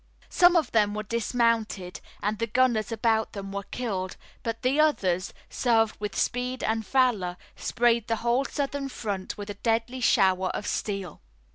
Some of them were dismounted and the gunners about them were killed, but the others, served with speed and valor, sprayed the whole Southern front with a deadly shower of steel.